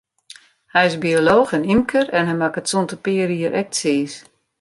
Hy is biolooch en ymker, en hy makket sûnt in pear jier ek tsiis.